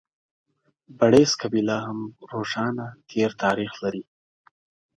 بړېڅ قبیله هم روښانه تېر تاریخ لري.